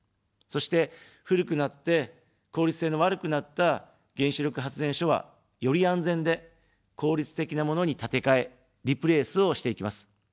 そして、古くなって効率性の悪くなった原子力発電所は、より安全で効率的なものに建て替え、リプレースをしていきます。